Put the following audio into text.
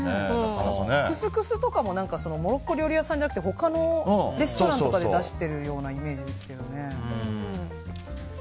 クスクスとかもモロッコ料理屋さんじゃなくて他のレストランとかで出してるようなイメージですけどね。